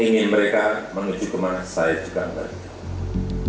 ingin mereka menuju kemana saya juga tidak